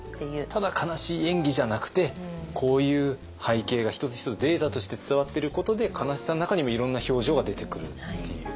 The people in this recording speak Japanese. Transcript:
ただ悲しい演技じゃなくてこういう背景が一つ一つデータとして伝わってることで悲しさの中にもいろんな表情が出てくるっていう。